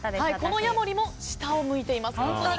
このヤモリも下を向いています。